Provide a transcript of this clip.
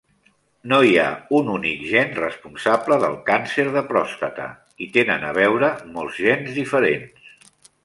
No hi ha un únic gen responsable del càncer de pròstata; hi tenen a veure molts gens diferents.